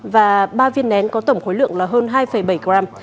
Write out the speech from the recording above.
và ba viên nén có tổng khối lượng là hơn hai bảy gram